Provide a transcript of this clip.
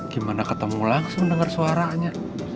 gimana ketemu langsung dengar suaranya